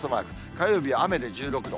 火曜日は雨で１６度。